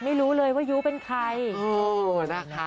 ไม่รู้เลยว่ายุเป็นใคร